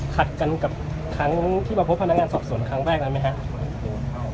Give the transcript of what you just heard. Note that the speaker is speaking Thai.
ขัดกันกับครั้งที่มาพบพนักงานสอบสวนครั้งแรกนั้นไหมครับ